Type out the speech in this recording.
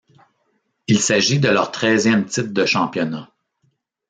Il s'agit de leur treizième titre de Championnat.